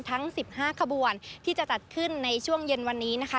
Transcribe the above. ทั้ง๑๕ขบวนที่จะจัดขึ้นในช่วงเย็นวันนี้นะคะ